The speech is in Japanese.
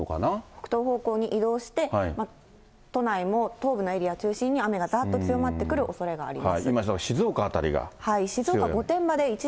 北東方向に移動して、都内も東部のエリア中心に雨がざーっと強まってくるおそれがあります。